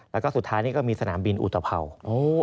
แล้วก็สุดท้ายนี่ก็มีสนามบินอุตภัวร์